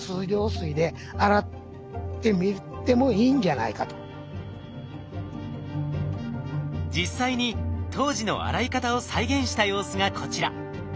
なんと実際に当時の洗い方を再現した様子がこちら。